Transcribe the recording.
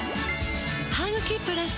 「ハグキプラス」